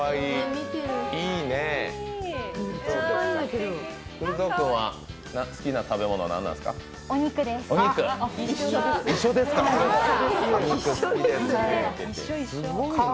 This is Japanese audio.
くり蔵君は好きな食べ物は何なんですか？